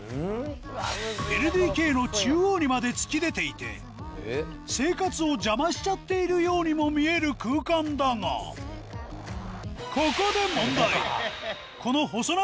ＬＤＫの中央にまで突き出ていて生活を邪魔しちゃっているようにも見える空間だがここで問題！